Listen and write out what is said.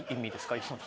今の。